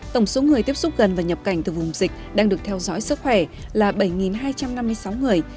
tổng số người tiếp xúc gần và nhập cảnh từ vùng dịch đang được theo dõi sức khỏe là bảy hai trăm năm mươi sáu người